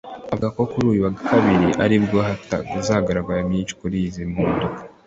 avuga ko kuri uyu wa Kabiri aribwo hatangazwa byinshi kuri izi mpinduka